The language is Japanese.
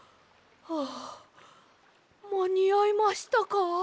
まにあいましたか？